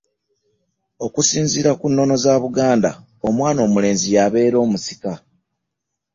Okusinzira ku nono za Buganda omwana omulenzi yabeera omusika.